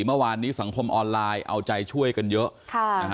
เมื่อวานนี้สังคมออนไลน์เอาใจช่วยกันเยอะ